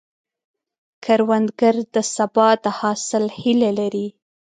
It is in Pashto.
کروندګر د سبا د حاصل هیله لري